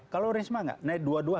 kalau risma nggak naik dua dua